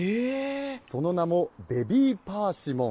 その名もベビーパーシモン。